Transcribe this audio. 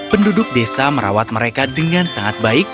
penduduk desa merawat mereka dengan sangat baik